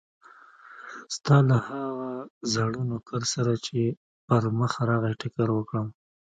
ستا له هغه زاړه نوکر سره چې پر مخه راغی ټکر وکړم.